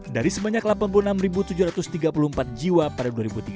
dari sebanyak delapan puluh enam tujuh ratus tiga puluh empat jiwa pada dua ribu tiga belas